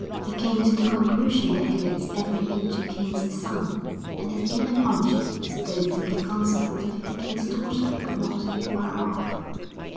He came to the conclusion that he looked every inch a king's son, and his inner consciousness told him that consequently the king's daughter could not be far off.